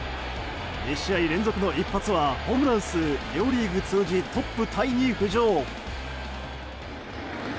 ２試合連続の一発はホームラン数両リーグ通じトップタイに浮上。